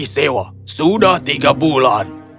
aku di sewa sudah tiga bulan